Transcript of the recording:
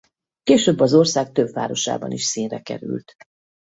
Később az ország több városában is színre került.